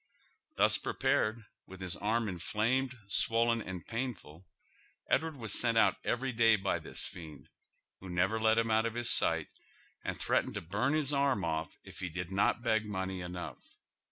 " Thus prepai'cd, with his arm inflamed, swollen, and painful, Edward was sent out every day by this fiend, who never let him out of his sight, and threatened to bum his arm off if he did not beg money enough.